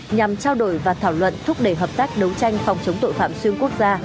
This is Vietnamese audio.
nhằm trao đổi và thảo luận thúc đẩy hợp tác đấu tranh phòng chống tội phạm xuyên quốc gia